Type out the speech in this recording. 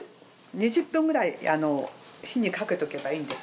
２０分くらい火にかけておけばいいんです。